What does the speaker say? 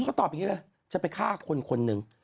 เขาตอบอย่างนี้เลยจะไปฆ่าคนคนหนึ่ง